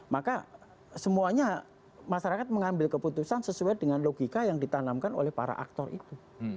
maka semuanya masyarakat mengambil keputusan sesuai dengan logika yang ditanamkan oleh para aktor itu